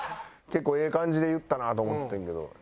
結構ええ感じで言ったなと思っててんけど。